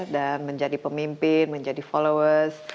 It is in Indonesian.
menjadi pemimpin menjadi followers